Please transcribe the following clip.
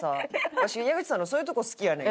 わし矢口さんのそういうとこ好きやねん。